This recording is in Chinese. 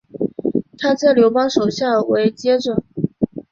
他在刘邦手下为谒者。